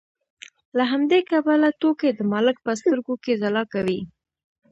له همدې کبله توکي د مالک په سترګو کې ځلا کوي